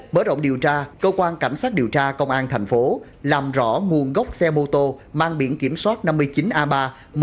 bớt rộng điều tra cơ quan cảnh sát điều tra công an thành phố làm rõ nguồn gốc xe mô tô mang biển kiểm soát năm mươi chín a ba một mươi một nghìn năm trăm tám mươi tám